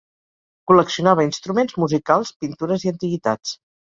Col·leccionava instruments musicals, pintures i antiguitats.